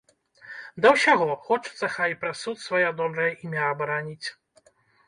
Да ўсяго, хочацца хай і праз суд сваё добрае імя абараніць.